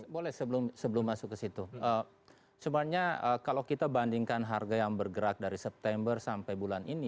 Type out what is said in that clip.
boleh sebelum masuk ke situ sebenarnya kalau kita bandingkan harga yang bergerak dari september sampai bulan ini